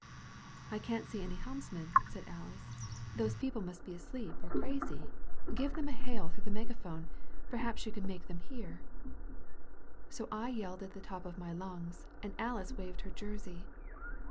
" *I can't see any helmsman,' said Alice, * those people must be asleep or crazy. Give them a hail through the them hear.' through the megaphone. Perhaps you can make ^0 SALVAGE POINT "So I yelled at the top of my lungs, and Alice waved her jersey.